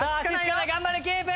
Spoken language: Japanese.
頑張れキープ！